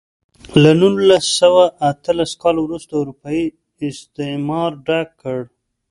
له نولس سوه اتلس کال وروسته اروپايي استعمار ډک کړ.